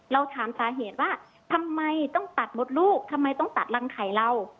เราถามสาเหตุว่าทำไมต้องตัดมดลูกทำไมต้องตัดรังไข่เรา